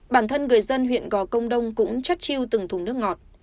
bản thân người dân huyện gò công đông cũng chất chiêu từng thùng nước ngọt